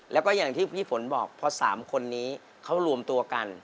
แล้วก็อย่างที่พี่ฝนบอกพอ๓คนนี้เขารวมตัวกัน